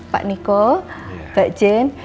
pak niko mbak jen